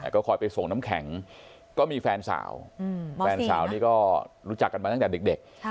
ก็คอยไปส่งน้ำแข็งก็มีแฟนสาวแฟนสาวนี่ก็รู้จักกันมาตั้งแต่เด็ก